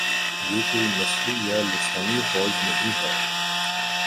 یہ کوئی نسلی یا لسانی فوج نہیں ہے۔